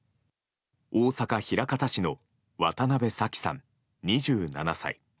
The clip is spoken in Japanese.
大阪・枚方市の渡邉咲季さん、２７歳。